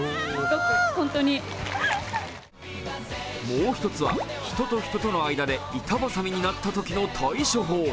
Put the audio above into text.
もう一つは、人と人との間で板挟みになったときの対処法。